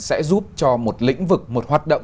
sẽ giúp cho một lĩnh vực một hoạt động